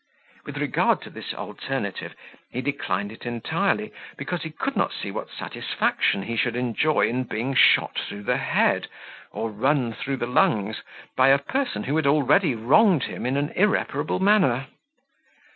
With regard to this alternative, he declined it entirely, because he could not see what satisfaction he should enjoy in being shot through the head, or run through the lungs, by a person who had already wronged him in an irreparable manner.